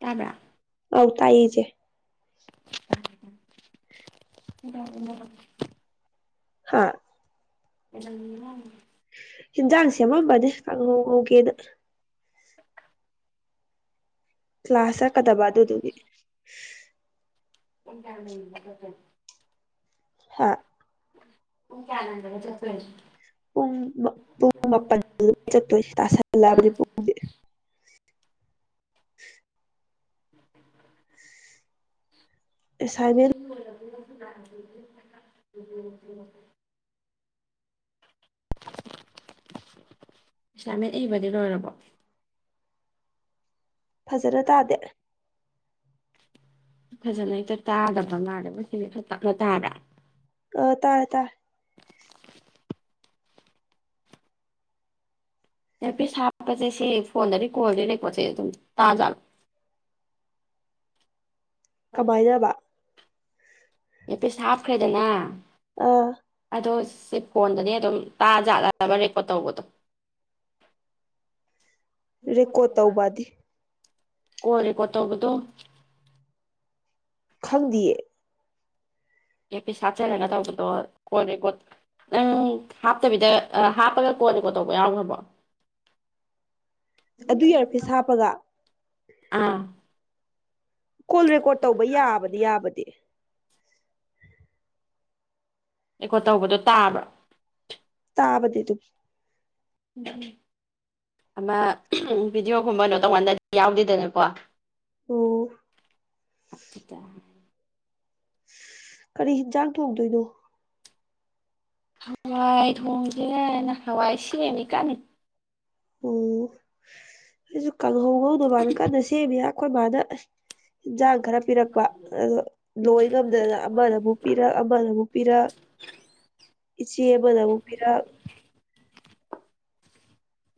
ꯇꯕ ꯑꯧ ꯇꯥꯏꯌꯦ ꯏꯆꯦ [inaudible] ꯍꯥꯥ [inaudible] ꯍꯟꯖꯥꯡꯁꯦ ꯑꯃꯝꯕꯅꯦ ꯀꯥꯡꯍꯧꯍꯧꯒꯦꯅ ꯀ꯭ꯂꯥꯁ ꯆꯛꯀꯗꯕ ꯑꯗꯨꯗꯨꯒꯤ ꯑꯦꯅꯇ ꯍꯥ ꯎ ꯀꯅꯗ ꯆ ꯄꯨꯡ ꯄꯨꯡ ꯃꯥꯄꯜ ꯆꯠꯇꯣꯏꯁꯤ ꯇꯥꯁꯂꯑꯕꯗꯤ ꯄꯨꯡꯗꯤ [inaudible] ꯎꯝ ꯑꯦꯁꯥꯏꯟꯃꯦꯟ ꯑꯣꯂ [inaudible] ꯏꯁꯂꯥꯃꯤ ꯑꯩꯕꯗꯤ ꯂꯣꯏꯔꯕꯣ ꯐꯖꯅ ꯇꯥꯗꯦ ꯐꯖꯅ ꯍꯦꯛꯇ ꯇꯥꯗꯕ ꯃꯥꯗꯦꯕ ꯁꯤꯁ ꯈ ꯇꯞꯅ ꯇꯥꯕ꯭ꯔꯥ ꯑ ꯇꯥ ꯇꯥ ꯑꯦꯔ ꯄꯤꯁ ꯍꯥꯞꯄꯁꯦ ꯁꯤ ꯐꯣꯟꯗꯗꯤꯔꯤ ꯀꯣꯜꯗꯤ ꯂꯩꯀꯣ ꯁꯤ ꯑꯗꯨꯝ ꯇꯥꯖꯥꯠꯂ ꯀꯃꯥꯏꯅꯅꯕ ꯑꯦ ꯄꯁ ꯍꯥꯞꯈ꯭ꯔꯦꯗꯅ ꯑꯥ ꯑꯗꯣ ꯁꯤ ꯐꯣꯟꯗꯅꯦ ꯑꯗꯨꯝ ꯇꯥꯖꯥꯠꯂꯕ ꯔꯦꯀꯣꯔꯠ ꯇꯧꯕꯗꯣ ꯔꯦꯀꯣꯠ ꯇꯧꯕꯗꯤ ꯀꯣꯔ ꯀꯣꯠꯇꯕꯨꯗ ꯈꯪꯪꯗꯌꯦ ꯑꯦ ꯄ ꯍꯥꯠꯆꯤꯂꯒ ꯇꯧꯕꯗꯣ ꯀꯣꯟ ꯔꯦꯀꯣꯠ ꯅꯪ ꯍꯥꯞꯇꯕꯤꯗ ꯍꯥꯞꯄꯒ ꯀꯣꯟ ꯔꯦꯀꯣꯠ ꯇꯧꯕ ꯌꯥꯎꯈ꯭ꯔꯕꯣ ꯑꯗꯨ ꯌꯔꯐꯦ ꯍꯥꯞꯄꯒ ꯑꯥ ꯀꯣꯜ ꯔꯦꯀꯣꯔꯠ ꯇꯧꯕ ꯌꯥꯕꯗꯤ ꯌꯥꯕꯗꯤ ꯑꯩꯀꯣ ꯇꯧꯕꯗꯣ ꯇꯥꯕ꯭ꯔꯥ ꯇꯥꯕꯗꯤ ꯑꯗꯨ ꯑꯃ ꯚꯤꯗꯤꯑꯣꯒꯨꯝꯕꯅꯣ ꯇꯣꯡꯉꯥꯟꯗꯗꯤ ꯌꯥꯎꯗꯦꯗꯅꯀꯣ ꯑꯣ ꯑꯐ꯭ꯔꯤꯀꯥ ꯀꯔꯤ ꯍꯤꯟꯖꯥꯡ ꯊꯣꯛꯣꯡꯗꯣꯏꯅꯣ ꯍꯋꯥꯏ ꯊꯣꯡꯁꯦ ꯅ ꯍꯋꯥꯏ ꯁꯤꯔꯦꯅꯤ ꯀꯥꯟꯅ ꯑꯣꯁꯨ ꯀꯥꯡꯪꯍꯧ ꯉꯧꯗꯅꯕꯅ ꯀꯟꯅ ꯁꯦꯝꯃꯤ ꯑꯩꯈꯣꯏ ꯗ ꯏꯟꯁꯥꯡ ꯈꯔ ꯄꯤꯔꯛꯄ ꯑꯣ ꯂꯣꯏ ꯉꯝꯗꯅ ꯑꯃꯅꯕꯨꯛ ꯄꯤꯔꯛ ꯑꯃꯅꯕꯨ ꯄꯤꯔꯛ ꯏꯆꯦ ꯑꯃꯅꯕꯨꯛ ꯄꯤꯔꯛ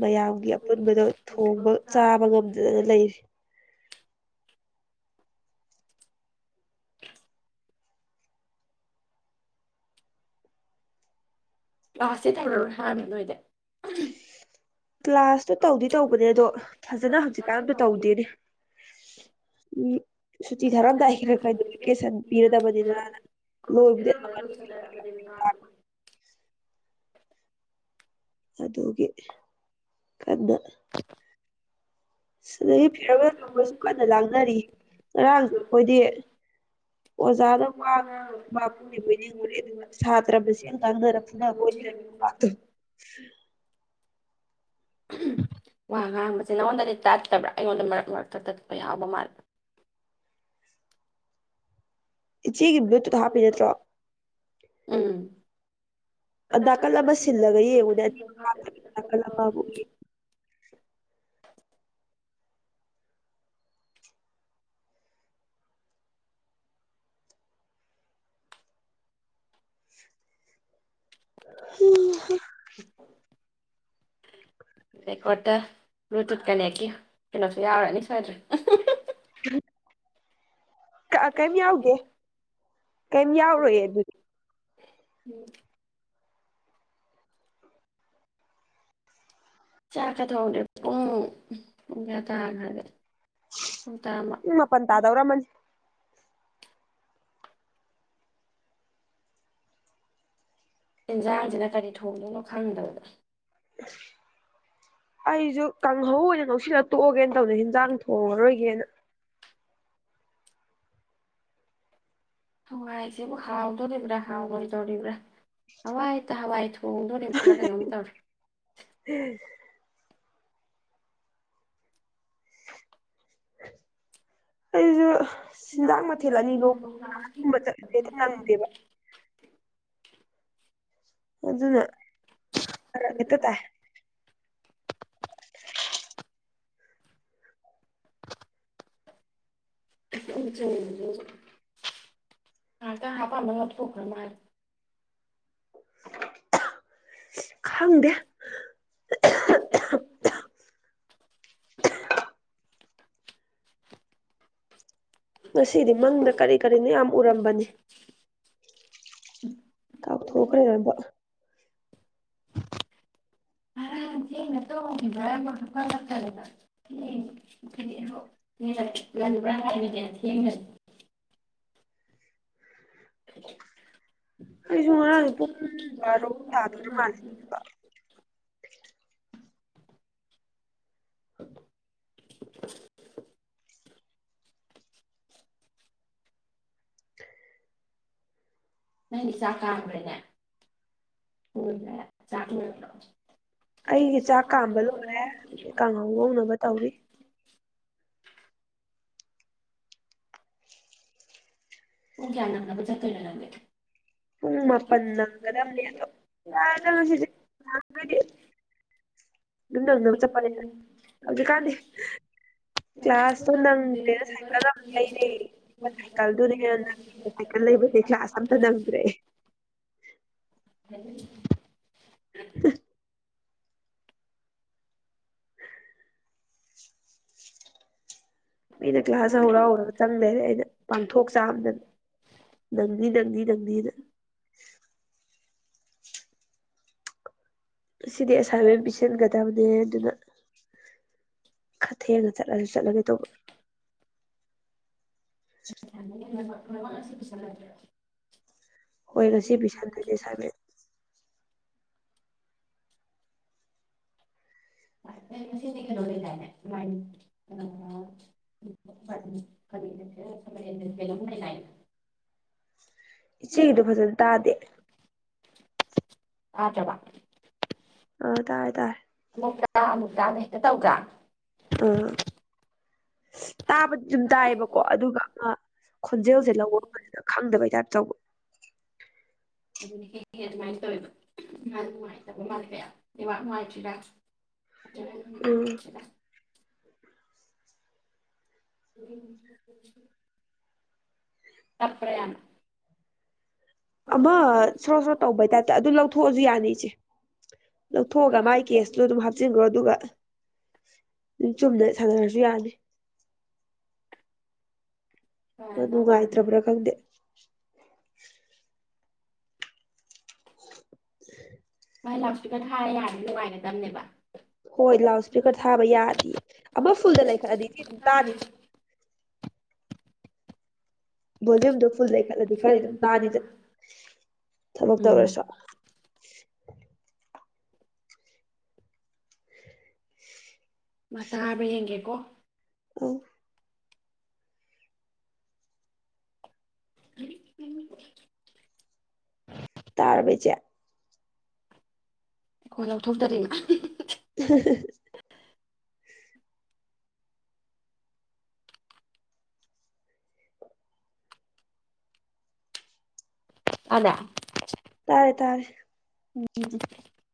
ꯃꯌꯥꯝꯒꯤ ꯑꯄꯨꯟꯕꯗꯣ ꯊꯣꯡꯕ ꯆꯥꯕ ꯉꯝꯗꯗꯅ ꯂꯩꯔꯤ ꯀ꯭ꯂꯥꯁꯇꯦ ꯊꯧꯔꯔꯣꯏ ꯍꯥꯏꯃꯦ ꯅꯣꯏꯗꯤ [unintelligible] ꯀ꯭ꯂꯥꯁꯇꯣ ꯇꯧꯗꯤ ꯇꯧꯕꯅꯦ ꯑꯗꯣ ꯐꯖꯅ ꯍꯧꯖꯤꯛꯀꯥꯟꯗ ꯇꯧꯗꯦꯅꯦ ꯎ ꯁꯨꯇꯤ ꯊꯥꯔꯝꯗ ꯍꯦ ꯀꯣꯀꯦꯁꯟ ꯄꯤꯔꯗꯕꯅꯤꯅ ꯂꯣꯏꯕꯨꯗꯤ [unintelligible] ꯑꯗꯨꯒꯤ ꯀꯟꯅ ꯁꯤꯗꯒꯤ ꯐꯤꯔꯋꯦꯜ ꯑꯩꯈꯣꯏꯁꯨ ꯀꯟꯅ ꯂꯥꯡꯅꯔꯤ ꯉꯔꯥꯡꯁꯨ ꯑꯩꯈꯣꯏꯗꯤ ꯑꯣꯖꯥꯅ ꯋꯥ ꯉꯦꯅ ꯁꯥꯇ꯭ꯔ ꯃꯁ ꯉꯥꯡꯅꯔ ꯐꯨꯅꯕ ꯑꯣꯏ ꯋꯥ ꯉꯥꯡꯕꯁꯦ ꯅꯪꯉꯣꯟꯗꯗꯤ ꯇꯠꯇꯕ꯭ꯔꯥ ꯑꯩꯉꯣꯟꯗ ꯃꯔꯛ ꯃꯔꯛꯇ ꯇꯠꯄ ꯌꯥꯎꯕ ꯃꯥꯜꯂ ꯏꯆꯦꯒꯤ ꯕ꯭ꯂꯨꯇꯨꯠ ꯍꯥꯞꯄꯤ ꯅꯠꯇ꯭ꯔꯣ ꯎꯝ ꯅꯥꯀꯜꯂꯕ ꯁꯤꯜꯂꯒ ꯌꯦꯡꯉꯨꯅꯦ ꯍꯥꯄ ꯗꯀꯜꯕꯕꯨ ꯎꯝ ꯔꯦꯀꯣꯔꯠꯇ ꯕ꯭ꯂꯨꯇꯨꯠ ꯀꯅꯦꯛꯀꯤ ꯀꯩꯅꯣꯁꯨ ꯌꯥꯎꯔꯅꯤ ꯁꯣꯏꯗ꯭ꯔꯦ ꯎ ꯀꯩꯝ ꯌꯥꯎꯗꯦ ꯀꯩꯝ ꯌꯥꯎꯔꯣꯏꯌꯦ ꯑꯗꯨꯗꯤ ꯎꯝ ꯆꯥꯛꯀ ꯊ ꯍꯧꯔꯦ ꯄꯨꯡ ꯄꯌꯥ ꯇꯥꯈ꯭ꯔꯒ ꯎꯄꯟ ꯇ ꯑꯗꯕꯔꯃ ꯌꯦꯦꯟꯖꯥꯡꯁꯤꯅ ꯀꯔꯤ ꯊꯣꯡꯗꯣꯏꯅꯣ ꯈꯪꯗꯕꯗ ꯑꯩꯁꯨ ꯀꯥꯡꯍꯧ ꯑꯣꯏꯅ ꯅꯨꯡꯁꯤꯜꯂ ꯇꯣꯛꯑꯒꯦꯅ ꯇꯧꯅꯤ ꯍꯤꯟꯖꯥꯡ ꯍꯔ ꯑꯣꯏꯒꯦꯅ ꯍꯋꯥꯏꯁꯤꯕꯨ ꯍꯥꯎꯗꯣꯔꯤꯕ꯭ꯔꯥ ꯍꯥꯎꯔꯣꯏꯗꯣꯔꯤꯕ꯭ꯔꯥ ꯍꯋꯥꯏ ꯇ ꯍꯋꯥꯏ ꯊꯣꯡꯗꯣꯔꯤꯕ꯭ꯔꯥ ꯀꯩꯅꯣꯝ ꯇꯧꯔꯤ [inaudible] ꯑꯩꯁꯨ ꯁꯤꯟꯖꯥꯡ ꯃꯊꯦꯜ ꯑꯅꯤꯒꯧꯒꯨꯝꯕ ꯆꯠꯂꯁꯦ ꯑꯗꯨꯝ ꯅꯪꯗꯦꯕ ꯑꯗꯨꯅꯔꯛꯇ ꯇ ꯑ ꯇ ꯍꯥ ꯄꯥꯃ ꯊꯈꯔ ꯃꯥꯔ ꯈꯪꯗꯦ ꯊꯞ ꯉꯁꯤꯗꯤ ꯃꯪꯗ ꯀꯔꯤ ꯀꯔꯤꯅ ꯌꯥꯝ ꯎꯔꯝꯕꯅꯤ ꯀꯥꯎꯊꯣꯛꯈ꯭ꯔꯦꯕ ꯍꯔ ꯊꯦꯡꯅ ꯇꯧꯕ꯭ꯔꯥ ꯑꯃ ꯍꯥꯐꯗꯗꯦꯡ ꯂꯕ꯭ꯔꯥ ꯍꯥꯏꯕꯗꯅ ꯊꯦꯡꯉꯁ [inaudible] ꯑꯩꯁꯨꯉꯔ ꯇꯥꯔ ꯎ [inaudible] ꯆꯀꯥꯅꯦ ꯆꯀ ꯀꯩꯅ ꯑꯩꯒꯤ ꯄꯨꯁꯥ ꯆꯥꯛ ꯀꯥꯝꯕ ꯐꯥꯗꯔ ꯂꯣꯏꯔꯦ ꯀꯥꯡꯍꯧ ꯉꯧꯅꯕ ꯑꯣꯏꯔ ꯇꯧꯔꯤ [inaudible] ꯄꯨꯡ ꯀꯌꯥ ꯅꯪꯅꯕ ꯆꯠꯇꯣꯏꯅ ꯂꯧꯒꯦ ꯄꯨꯡ ꯃꯥꯄꯟ ꯅꯪꯒꯗꯕꯅꯦ ꯑꯗꯣ ꯌꯥꯔꯦꯗ ꯉꯁꯤꯗꯤ ꯍꯥꯏꯗꯤ ꯑꯗꯨꯝ ꯅꯪꯅꯕ ꯎ ꯆꯠꯄꯅꯤꯅ ꯍꯧꯖꯤꯛꯀꯥꯟꯗꯤ ꯀ꯭ꯂꯥꯁꯇꯣ ꯅꯪꯗ꯭ꯔꯦꯅ ꯁꯥꯏꯀꯜ ꯑꯃ ꯌꯥ ꯀ ꯂꯩꯕꯂ ꯑꯁꯝꯗ ꯅꯪ ꯍ [inaudible] ꯃꯤꯅ ꯀ꯭ꯂꯥꯁ ꯍꯧꯔ ꯍꯧꯔꯒ ꯆꯪ ꯂꯩꯔꯦ ꯑꯩꯅ ꯄꯥꯡꯊꯣꯛ ꯆꯥꯝꯗꯅ ꯅꯪꯅꯤ ꯅꯪꯅꯤ ꯅꯪꯅꯤꯗ ꯑꯁꯤꯗꯤ ꯑꯦꯁꯥꯏꯟꯃꯦꯟ ꯄꯤꯁꯤꯟꯒꯗꯕꯅꯦ ꯑꯗꯨꯅ ꯊꯦꯡꯉ ꯆꯠꯂꯁꯨ ꯆꯠꯂꯒꯦ ꯇꯧꯕ [inaudible] ꯋꯥ ꯁꯤ ꯆ ꯍ ꯉꯁꯤ ꯄꯕꯤꯁꯥꯗꯗꯤ ꯁꯥꯃꯦ ꯆ ꯆꯦꯗꯨ ꯐꯖꯅ ꯇꯥꯗꯦ ꯑꯥꯇꯕ ꯑ ꯇꯥꯔꯦ ꯇꯥꯔꯦ ꯇꯥꯃꯨꯛꯛꯇꯅ ꯍꯦꯛꯇ ꯇꯧꯒ꯭ꯔ ꯑꯥ ꯇꯥꯕꯗꯤ ꯑꯗꯨꯝ ꯇꯥꯏꯌꯦꯕꯀꯣ ꯑꯗꯨꯒ ꯑꯃ ꯈꯣꯟꯖꯦꯜꯁꯦ ꯂꯧꯔꯒꯅꯤꯅ ꯈꯪꯗꯕꯩ ꯇꯥꯏꯞ ꯑꯆꯧꯕ ꯍ ꯑꯗꯨꯃꯥꯏꯅ ꯇꯧꯋꯦꯕ ꯃꯥ ꯅꯨꯡꯉꯥꯏꯇꯕ ꯃꯥꯜꯂꯦ ꯀꯌꯥ ꯂꯩꯕꯥꯛ ꯅꯨꯡꯉꯥꯏꯇ꯭ꯔꯤꯔꯤꯕꯥ ꯎꯝ [unintelligible] [unintelligible] ꯇꯞꯄꯔ ꯌꯥꯝꯅ꯫ ꯑꯃ ꯁꯣꯔꯣ ꯁꯣꯔꯣ ꯇꯧꯕꯩ ꯇꯥꯏꯞꯇ ꯑꯗꯨ ꯂꯧꯊꯣꯛꯑꯖꯨ ꯌꯥꯅꯤ ꯏꯆꯦ ꯂꯧꯊꯣꯛꯑꯒ ꯃꯥꯏ ꯀꯦꯁꯇꯨ ꯑꯗꯨꯝ ꯍꯥꯞꯆꯤꯟꯒꯔꯣ ꯑꯗꯨꯒ ꯆꯨꯝꯅ ꯁꯥꯟꯅꯔꯖꯨ ꯌꯥꯅꯤ꯫ ꯅꯨꯡꯉꯥꯏꯇ꯭ꯔꯕ꯭ꯔꯥ ꯈꯪꯗꯦ [unintelligible] [inaudible] [unintelligible] ꯃꯥꯏ ꯂꯥꯎꯗ ꯏꯁꯄꯤꯀꯔ ꯊꯥꯔ ꯌꯥꯔꯗꯤ ꯅꯨꯡꯉꯥꯏꯒꯗꯕꯅꯦꯕ꯫ ꯍꯣꯏ ꯂꯥꯎꯗ ꯏꯁꯄꯤꯀꯔ ꯊꯥꯕ ꯌꯥꯗꯦ ꯑꯃ ꯐꯨꯜꯗ ꯂꯩꯈꯠꯂꯗꯤ ꯁꯤ ꯑꯗꯨꯝ ꯇꯥꯅꯤ꯫ ꯐꯣꯂꯨꯌꯨꯝꯗꯣ ꯐꯨꯜ ꯂꯩ ꯈꯠꯂꯗꯤ ꯈꯔꯗꯤ ꯑꯗꯨꯝ ꯇꯥꯅꯤꯗ ꯊꯕꯛ ꯎꯝ ꯇꯧꯔꯁꯨ꯫ ꯃꯥ ꯇꯥꯕꯔ ꯌꯦꯡꯒꯦꯀꯣ꯫ ꯌꯝ [unintelligible] ꯇꯥꯔꯕ ꯏꯆꯦ꯫ ꯈꯣꯏ ꯂꯧꯊꯣꯛꯇꯔꯤ꯫ [unintelligible] ꯇꯥꯕꯔ꯫ ꯇꯥꯔꯦ ꯇꯥꯔꯦ꯫ ꯎꯝ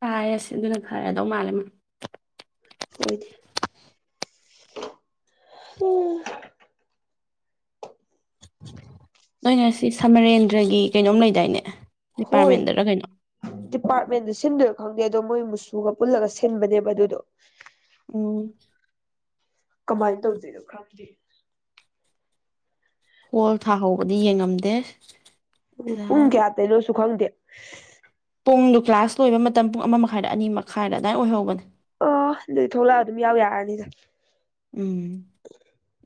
ꯄꯥꯏꯔ ꯁꯤꯟꯕꯏ ꯐꯔꯗꯧ ꯃꯥꯜꯂꯦ ꯎꯝ꯫ ꯍꯣꯏꯗ ꯅꯣꯏ ꯉꯁꯤ ꯁꯃꯔꯦꯟꯗ꯭ꯔꯒꯤ ꯀꯩꯅꯣꯝ ꯂꯩꯗꯥꯏꯅꯦ꯫ ꯍꯣꯏ ꯗꯤꯄꯥꯔꯠꯃꯦꯟꯗꯔ ꯀꯩꯅꯣ ꯗꯤꯄꯥꯔꯠꯃꯦꯟꯗ ꯁꯤꯟꯗꯣꯏ ꯈꯪꯗꯦ ꯑꯗꯣ ꯃꯣꯏ ꯃꯨꯁꯨꯒ ꯄꯨꯜꯂꯒ ꯁꯤꯟꯕꯅꯦꯕ ꯑꯗꯨꯗꯣ꯫ ꯑꯣ꯫ ꯀꯃꯥꯏ ꯇꯧꯗꯨꯏꯅꯣ ꯈꯪꯗꯦ꯫ ꯍꯣꯜ ꯊꯥꯍꯧꯕꯗꯤ ꯌꯦꯡꯉꯝꯗꯦ꯫ ꯎꯝ ꯄꯨꯡ ꯀꯌꯥꯗꯩꯅꯣ ꯖꯨ ꯈꯪꯗꯦ꯫ ꯄꯨꯡꯗꯨ ꯀ꯭ꯂꯥꯁ ꯂꯣꯏꯕ ꯃꯇꯝ ꯄꯨꯡ ꯑꯃ ꯃꯈꯥꯏꯗ ꯑꯅꯤ ꯃꯈꯥꯏꯗ ꯑꯗꯥꯏ ꯑꯣꯏꯍꯧꯕꯅꯦ꯫ ꯑꯣ ꯑꯗꯨꯗꯤ ꯊꯣꯛꯂꯛꯑ ꯑꯗꯨꯝ ꯌꯥꯎ ꯌꯥꯔꯅꯤꯗ꯫ ꯎꯝ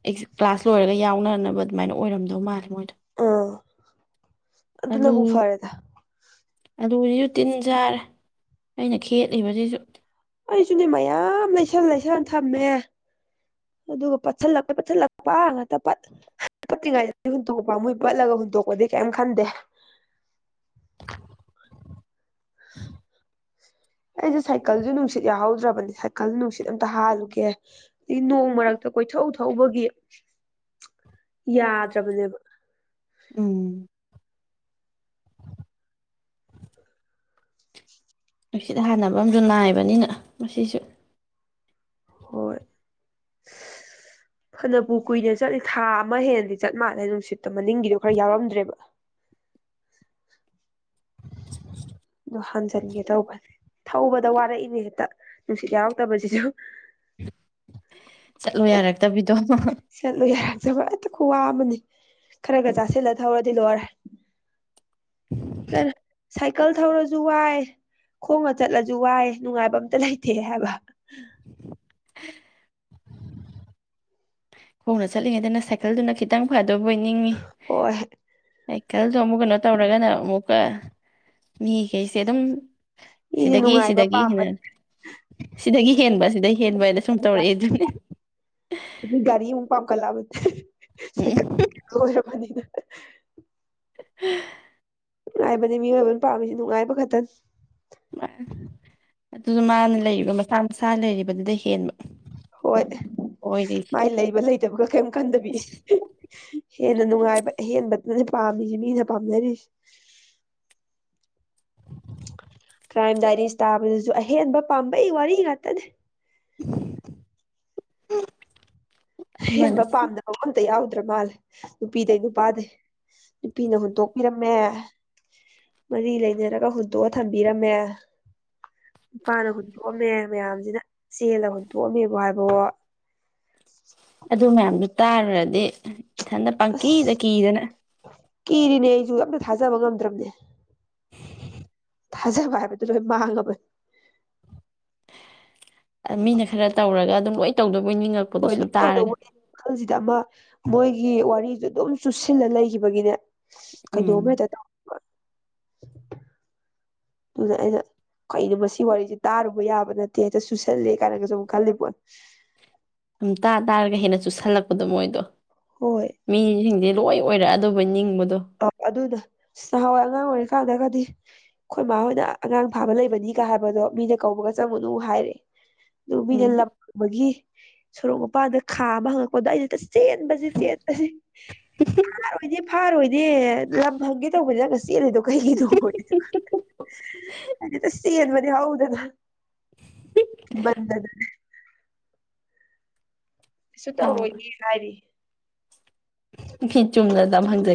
ꯑꯩꯖꯨ꯫ ꯀ꯭ꯂꯥꯁ ꯂꯣꯏꯔꯒ ꯌꯥꯎꯅꯅꯕ ꯑꯗꯨꯃꯥꯏꯅ ꯑꯣꯏꯔꯝꯗꯧ ꯃꯥꯜꯂꯤ꯫ ꯑ ꯑꯗꯨꯅꯕꯨ ꯐꯔꯦꯗ꯫ ꯑꯂꯨꯖꯤꯖꯨ ꯇꯤꯟ ꯆꯥꯔꯦ ꯑꯩꯅ ꯈꯦꯠꯂꯤꯕꯖꯤꯖꯨ꯫ ꯑꯩꯖꯨꯅꯦ ꯃꯌꯥꯝ ꯂꯩꯁꯜ ꯂꯩꯁꯜ ꯊꯝꯃꯦ ꯑꯗꯨꯒ ꯄꯠꯁꯜꯂꯛꯄꯩ ꯄꯠꯁꯜꯂꯛꯄ ꯉꯥꯛꯇ ꯄꯠ ꯄꯠꯇ꯭ꯔꯤꯉꯩꯗ ꯍꯨꯟꯇꯣꯛꯄ ꯄꯥꯝꯃꯨꯏ ꯄꯠꯂꯒ ꯍꯨꯟꯇꯣꯛꯄꯗꯤ ꯀꯩꯝ ꯈꯟꯗꯦ꯫ ꯑꯩꯖꯦ ꯁꯥꯏꯀꯜꯖꯦ ꯅꯨꯡꯁꯤꯠ ꯁꯤꯠ ꯌꯥꯍꯧꯗ꯭ꯔꯕꯅꯤ ꯁꯥꯏꯀꯜ ꯅꯨꯡꯁꯤꯠ ꯑꯇ ꯍꯥꯜꯂꯨꯒꯦ꯫ ꯅꯣꯡ ꯃꯔꯛꯇ ꯀꯣꯏꯊꯧ ꯊꯧꯕꯒꯤ [unintelligible] ꯌꯥꯗ꯭ꯔꯕꯅꯦꯕ ꯎꯝ ꯅꯨꯡꯁꯤꯠ ꯍꯥꯟꯅꯕ ꯑꯃꯖꯨ ꯅꯥꯏꯕꯅꯤꯅ ꯃꯁꯤꯁꯨ ꯍꯣꯏ ꯐꯅꯕꯨ ꯀꯨꯏꯅ ꯆꯠꯂꯤ ꯊꯥ ꯑꯃ ꯍꯦꯟꯅꯗꯤ ꯆꯠ ꯃꯥꯥꯟꯂꯦ ꯅꯨꯡꯁꯤꯠꯇ ꯃꯅꯤꯡꯒꯤꯗꯣ ꯈꯔ ꯌꯥꯎꯔꯝꯗ꯭ꯔꯦꯕ ꯑꯣ ꯍꯟꯖꯤꯟꯒꯦ ꯇꯧꯕꯅꯦ ꯊꯧꯕꯗ ꯋꯥꯔꯛꯏꯅꯦ ꯍꯦꯛꯇ ꯅꯨꯡꯁꯤꯠ ꯌꯥꯎꯔꯛꯇꯕꯁꯤꯁꯨ ꯆꯠꯂꯣ ꯌꯥꯔꯛꯇꯕꯤꯗꯣ ꯆꯠꯂꯨ ꯇ ꯈꯨ ꯋꯥ ꯑꯃꯅꯤ ꯈꯔ ꯆꯥꯁꯤꯜꯂ ꯊꯧꯔꯗꯤ ꯂꯣꯏꯔꯦ [unintelligible] ꯁꯥꯏꯀꯜ ꯊꯧꯔꯁꯨ ꯋꯥꯏ ꯈꯣꯡꯅ ꯆꯠꯂꯁꯨ ꯋꯥꯏ ꯅꯨꯡꯉꯥꯏꯕ ꯑꯝꯇ ꯂꯩꯇꯦ ꯍꯥꯏꯕ [unintelligible] ꯈꯣꯡꯅ ꯆꯠꯂꯤꯉꯩꯗꯅ ꯁꯥꯏꯀꯜꯗꯨꯅ ꯈꯤꯇꯪ ꯐ ꯑꯗꯨꯕꯨꯣꯏꯅꯤꯡꯉꯤ ꯍꯣꯏ ꯁꯥꯏꯀꯜꯗꯣ ꯑꯃꯨꯛ ꯀꯩꯅꯣ ꯇꯧꯔꯒꯅ ꯑꯃꯨꯛ ꯑꯣ ꯃꯤꯈꯩꯁꯦ ꯑꯗꯨꯝ ꯃꯤꯁꯨ ꯁꯤꯗꯒꯤ ꯅꯨꯡꯉꯥꯏꯕ ꯁꯤꯗꯒꯤ ꯄꯥꯝꯕ ꯍꯦꯟꯅ ꯁꯤꯗꯒꯤ ꯍꯦꯟꯕ ꯁꯤꯗꯒꯤ ꯍꯦꯟꯕ ꯍꯥꯏꯅ ꯁꯨꯝ ꯇꯧꯔꯛꯑꯦ ꯑꯗꯨꯅꯦ ꯄꯝꯈꯠꯂꯥꯕꯅꯤ ꯁꯥꯏꯀꯜ ꯂꯣꯏꯔꯕꯅꯤꯅ [unintelligible] [unintelligible] ꯅꯨꯡꯉꯥꯏꯕꯅꯤ ꯃꯤꯑꯣꯏꯕꯅ ꯄꯥꯝꯃꯤꯁꯤ ꯅꯨꯡꯉꯥꯏꯕ ꯈꯛꯇꯪ ꯑꯗꯨꯁꯨ ꯃꯥꯅ ꯂꯩꯒ ꯃꯁꯥ ꯃꯁꯥ ꯂꯩꯔꯤꯕꯗꯨꯗ ꯍꯦꯟꯕ ꯍꯣꯏ ꯑꯣꯏꯔꯤ ꯃꯥꯏ ꯂꯩꯕ ꯂꯩꯇꯕꯒ ꯀꯔꯤꯝ ꯈꯟꯗꯕꯤ ꯍꯦꯟꯅ ꯅꯨꯡꯉꯥꯏꯕ ꯑꯍꯦꯟꯕꯅ ꯄꯥꯝꯃꯤꯁꯤꯦ ꯃꯤꯅ ꯄꯥꯝꯅꯔꯤꯁꯦ ꯀ꯭ꯔꯥꯏꯝ ꯗꯥꯏꯔꯤꯁ ꯇꯥꯕꯗꯁꯨ ꯑꯩ ꯍꯦꯗꯕ ꯄꯥꯝꯕꯩ ꯋꯥꯔꯤ ꯍꯥꯠꯇꯗꯤ ꯎ ꯎꯝ ꯍꯦꯟꯕ ꯄꯥꯝꯗꯕ ꯑꯃ ꯑꯝꯇ ꯌꯥꯎꯗꯦ ꯆꯠꯇ꯭ꯔꯄꯜ ꯅꯨꯄꯤꯗꯩ ꯅꯨꯄꯥꯗꯩ ꯅꯨꯄꯤꯅ ꯍꯨꯟꯇꯣꯛꯄꯤꯔꯝꯃꯦ ꯃꯔꯤ ꯂꯩꯅꯔꯒ ꯍꯨꯟꯗꯣꯛ ꯊꯝꯕꯤꯔ ꯃ ꯌꯥ ꯏꯄꯥꯅ ꯍꯨꯟꯇꯣꯛꯑꯝꯃꯦ ꯃꯌꯥꯝꯁꯤꯅ ꯆꯦꯜꯂ ꯍꯨꯟꯇꯣꯛꯑꯝꯃꯦꯕ ꯍꯥꯏꯕ ꯑꯣ ꯑꯗꯨ ꯃꯌꯥꯝꯗꯨ ꯇꯥꯔꯨꯔꯗꯤ ꯏꯊꯟꯗ ꯄꯪꯀꯤꯗ ꯑꯁ ꯀꯗꯅ ꯀꯤꯔꯤꯅꯦ ꯑꯩꯁꯨ ꯑꯝꯇ ꯊꯥꯖꯕ ꯉꯝꯗ꯭ꯔꯕꯅꯦ ꯊꯥꯖꯕ ꯍꯥꯏꯕꯗꯨ ꯂꯣꯏ ꯃꯥꯡꯉꯕꯣꯏ ꯃꯤꯅ ꯈꯔ ꯇꯧꯔꯒ ꯑꯗꯨꯝ ꯂꯣꯏ ꯇꯧꯗꯣꯏ ꯍꯣꯏ ꯂꯣꯏ ꯇꯧꯗꯧꯕꯅꯦ ꯋꯥꯜꯁꯤꯗ ꯑꯃ ꯃꯣꯏꯒꯤ ꯑꯩ ꯒꯤ ꯋꯥꯔꯤꯁꯨ ꯑꯗꯨꯝ ꯆꯨꯁꯤꯜꯂ ꯂꯩꯈꯤꯕꯒꯤꯅꯦ ꯀꯩꯅ ꯎꯝ ꯅꯃꯦꯔꯗ [inaudible] ꯑꯗꯨꯗ ꯑꯩꯅ ꯀꯩꯅꯣ ꯃꯁꯤ ꯋꯥꯔꯤꯁꯤꯦ ꯇꯥꯔꯨꯕ ꯌꯥꯕ ꯅꯠꯇꯦ ꯍꯦꯛꯇ ꯁꯨꯁꯜꯂꯦ ꯀꯥꯏꯅꯒꯁꯨ ꯑꯃꯨꯛ ꯈꯜꯂꯤꯕꯣ ꯁꯨꯝ ꯇꯥ ꯇꯥꯔꯒ ꯍꯦꯟꯅ ꯆꯨꯁꯜꯂꯛꯄꯗꯣ ꯃꯣꯏꯗꯣ ꯍꯣꯏ ꯃꯤ ꯍꯤꯡꯗ ꯂꯣꯏ ꯑꯣꯏꯔꯦ ꯑꯗꯨꯕꯨ ꯅꯤꯡꯕ ꯑ ꯑꯗꯨꯗ ꯁꯍꯋꯥꯏ ꯑꯉꯥꯡ ꯑꯣꯏꯔꯤ ꯊꯥꯡꯅꯒꯗꯤ ꯑꯩꯈꯣꯏ ꯃꯥ ꯍꯣꯏꯅ ꯑꯉꯥꯡ ꯐꯥꯕ ꯂꯩꯕꯅꯤꯒ ꯍꯥꯏꯕꯗꯣ ꯃꯤꯅ ꯀꯧꯕꯒ ꯆꯪꯉꯨꯅꯨ ꯍꯥꯏꯔꯦ ꯂꯕꯤ ꯎꯝ ꯂꯩꯂꯒꯤ ꯁꯣꯔꯣꯛ ꯃꯄꯥꯟꯗ ꯈꯥ ꯑꯃ ꯍꯪꯉꯛꯄꯗ ꯑꯩꯁꯦ ꯆꯦꯟꯕꯁ ꯆꯦꯟꯄꯁ ꯐꯥꯔꯣꯏꯗꯤ ꯐꯥꯔꯣꯏ ꯑꯦ ꯂꯝ ꯍꯪꯒꯦ ꯇꯧꯕ ꯅ ꯉ ꯆꯦꯜꯂꯤꯗꯣ ꯀꯩꯒꯤꯗꯣ ꯍꯥꯏꯗꯤ ꯁꯤꯠ ꯃ ꯍꯗꯗ ꯀꯩꯁꯨ ꯇꯧꯔꯣꯏꯌꯦꯦ ꯍꯥꯏꯔꯤ ꯐꯤ ꯆꯨꯝꯗꯗ ꯐꯪꯖꯒꯦ